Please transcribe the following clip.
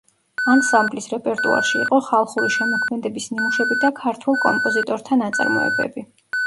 ანსამბლის რეპერტუარში იყო ხალხური შემოქმედების ნიმუშები და ქართველ კომპოზიტორთა ნაწარმოებები.